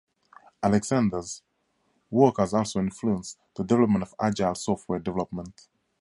Alexander's work has also influenced the development of agile software development.